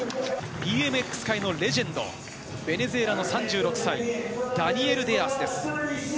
ＢＭＸ界のレジェンド、ベネズエラの３６歳、ダニエル・デアースです。